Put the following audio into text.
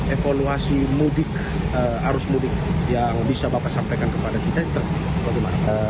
evaluasi mudik arus mudik yang bisa bapak sampaikan kepada kita bagaimana